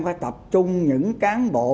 phải tập trung những cán bộ